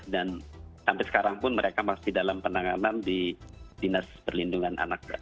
dan sampai sekarang pun mereka masih dalam penanganan di dinas perlindungan anak